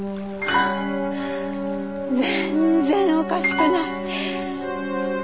全然おかしくない。